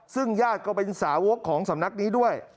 ซึ่งญาติก็เป็นสาวกของสำนักนี้ด้วย